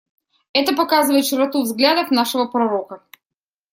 Это показывает широту взглядов нашего пророка.